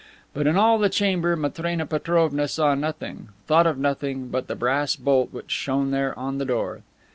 But in all the chamber Matrena Petrovna saw nothing, thought of nothing but the brass bolt which shone there on the door.